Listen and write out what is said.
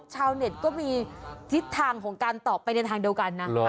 ชาวเน็ตก็มีทิศทางของการตอบไปในทางเดียวกันนะ